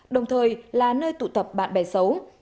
đồng thời là nơi tụ tập bạn bè xấu